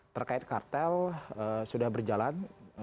terkait kartel sudah berjalan